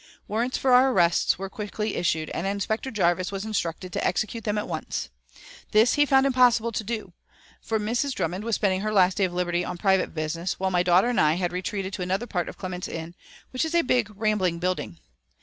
Warrants for our arrests were quickly issued, and Inspector Jarvis was instructed to execute them at once. This he found impossible to do, for Mrs. Drummond was spending her last day of liberty on private business, while my daughter and I had retreated to another part of Clements Inn, which is a big, rambling building.